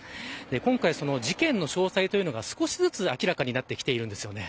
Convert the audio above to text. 今回、事件の詳細というのが少しずつ明らかになってきています。